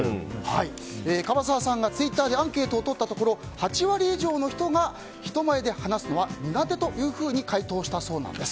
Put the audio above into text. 樺沢さんがツイッターでアンケートをとったところ８割以上の人が人前で話すのは苦手と回答したそうなんです。